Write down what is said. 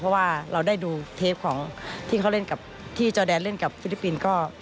เพราะว่าเราได้ดูเทปที่จอแดนเล่นกับฟิลิปปินก็